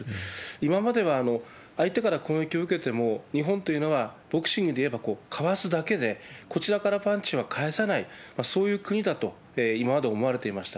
今までは、相手から攻撃を受けても、日本というのは、ボクシングでいえば、かわすだけで、こちらからパンチは返さない、そういう国だと、今まで思われていました。